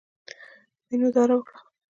وینو داره وکړه.